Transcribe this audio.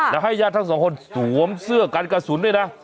และให้ญาติทั้งสองคนสวมเสื้อกันกระสุนด้วยนะ